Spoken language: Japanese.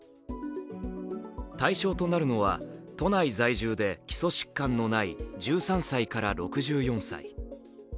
対象となるのは都内在住で基礎疾患のない１３歳から６４歳。